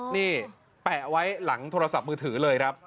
นี่แปะไว้หลังโทรศัพท์มือถือเลยครับ